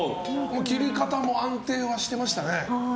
切り方も安定はしてましたね。